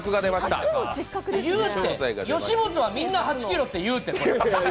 吉本はみんな８ｋｇあるって言うって。